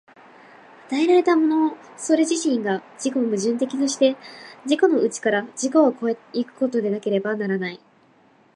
与えられたものそれ自身が自己矛盾的として、自己の内から自己を越え行くことでなければならない。